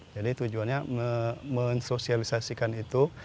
jadi tujuannya membentuk sosialisasikan itu